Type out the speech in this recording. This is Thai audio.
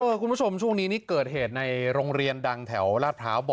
เฮ้ยคุณผู้ชมช่วงนี้นี่เกิดเหตุในโรงเรียนดังแถวบ่อยนะครับ